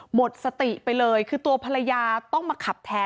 หมดสติไปเลยคือตัวภรรยาต้องมาขับแทน